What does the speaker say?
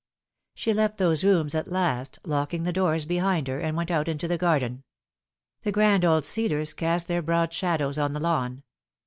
She left those rooms at last, locking the doors behind her, and went out into the garden. The grand old cedars cast their broad shadows on the lawn.